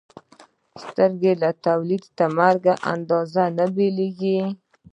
سترګې له تولد تر مرګ اندازه نه بدلېږي.